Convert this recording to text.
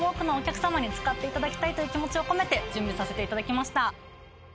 使っていただきたいという気持ちを込めて準備させていただきました。